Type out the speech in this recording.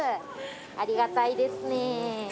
ありがたいですね。